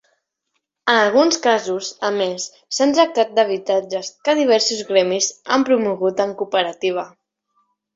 En alguns casos, a més, s'han tractat d'habitatges que diversos gremis han promogut en cooperativa.